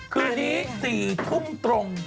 คืนนี้๔ทุ่มตรง